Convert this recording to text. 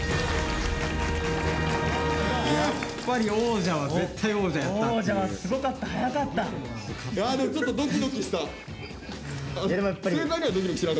やっぱり王者は絶対王者やったっていう。